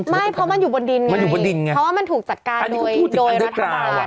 ไม่เพราะมันอยู่บนดินไงเพราะว่ามันถูกจัดการโดยรัฐบาล